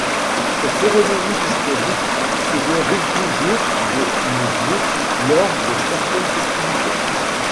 Cette cérémonie historique se déroule toujours de nos jours lors de certaines festivités.